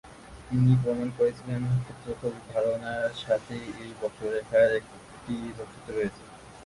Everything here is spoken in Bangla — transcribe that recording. তিনি প্রমাণ করেছিলেন ক্ষেত্রফলের ধারনার সাথে এই বক্ররেখার একটি যোগসূত্র রয়েছে।